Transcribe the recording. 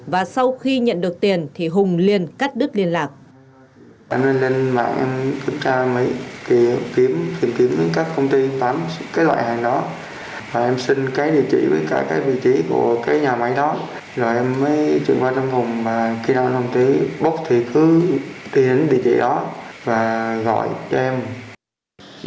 và sau khi nhận được tiền thì hùng liên cắt đứt liên lạc